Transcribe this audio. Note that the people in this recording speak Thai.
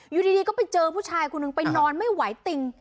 อยู่ดีก็ไปเจอผู้ชายคนหนึ่งไปนอนไม่ไหวติง